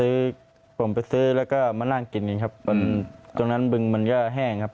ผมไปซื้อแล้วก็มานั่งกินกันครับบนตรงนั้นบึงมันก็แห้งครับ